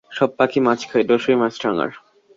সব পাখি মাছ খায়, দোষ হয় মাছরাঙার।